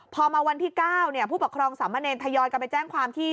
พอมาวันที่๙ผู้ปกครองสามเณรทยอยกันไปแจ้งความที่